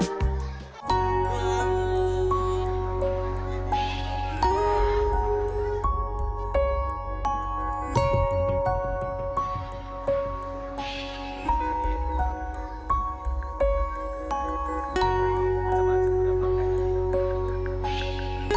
yang terbaik adalah yang terbaik adalah yang terbaik adalah yang terbaik